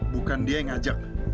bukan dia yang ngajak